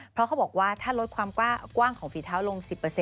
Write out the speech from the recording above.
เพราะเขาบอกว่าถ้าลดความกว้างของฝีเท้าลง๑๐